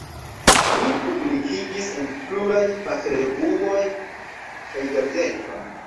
Li publikigis en pluraj fakrevuoj kaj gazetoj.